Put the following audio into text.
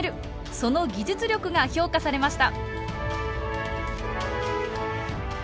その技術力が評価されました。